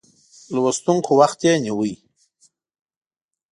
لوستونکو وخت یې نیوی.